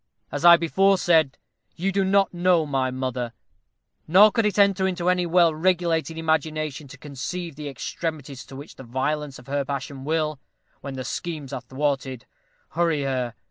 As I before said, you do not know my mother; nor could it enter into any well regulated imagination to conceive the extremities to which the violence of her passion will, when her schemes are thwarted, hurry her.